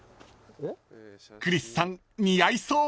［クリスさん似合いそう！］